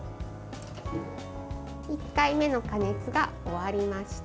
１回目の加熱が終わりました。